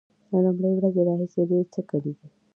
له لومړۍ ورځې راهیسې ډیر څه کړي دي